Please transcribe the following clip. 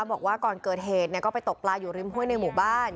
บอกว่าก่อนเกิดเหตุก็ไปตกปลาอยู่ริมห้วยในหมู่บ้าน